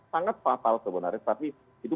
sangat fatal sebenarnya tapi itu